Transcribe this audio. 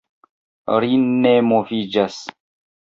Ri ne moviĝas.